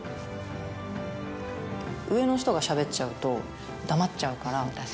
上の人がしゃべっちゃうと黙っちゃうから。